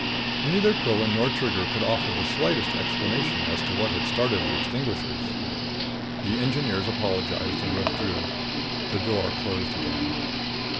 Neither Quillan nor Trigger could offer the slightest explanation as to what had started the extinguishers. The engineers apologized and withdrew. The door closed again.